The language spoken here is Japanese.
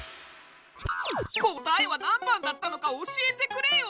答えは何番だったのか教えてくれよ！